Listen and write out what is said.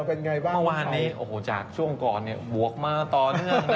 เป็นไงบ้างเมื่อวานนี้โอ้โหจากช่วงก่อนเนี่ยบวกมาต่อเนื่อง